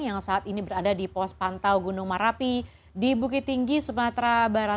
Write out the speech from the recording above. yang saat ini berada di pos pantau gunung merapi di bukit tinggi sumatera barat